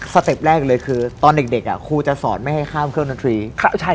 เต็ปแรกเลยคือตอนเด็กเด็กอ่ะครูจะสอนไม่ให้ข้ามเครื่องดนตรี